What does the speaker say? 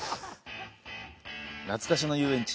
懐かしの遊園地